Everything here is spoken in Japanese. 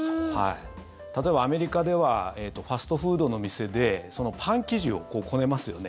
例えばアメリカではファストフードの店でパン生地をこねますよね。